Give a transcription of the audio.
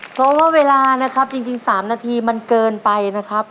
เพราะว่าเวลานะครับจริง๓นาทีมันเกินไปนะครับ